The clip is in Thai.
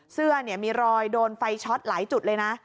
เสื้อมีรอยโดนไฟช็อตหลายจุดเลยนะ